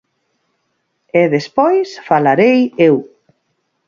E despois falarei eu.